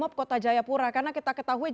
kalau kita flashback atas insiden kemarin